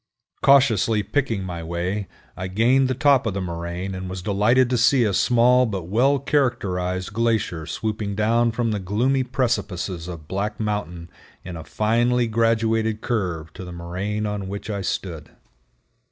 Cautiously picking my way, I gained the top of the moraine and was delighted to see a small but well characterized glacier swooping down from the gloomy precipices of Black Mountain in a finely graduated curve to the moraine on which I stood.